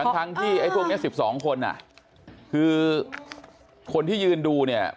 ทั้งที่ไอ้พวกนี้๑๒คนคือคนที่ยืนดูเนี่ย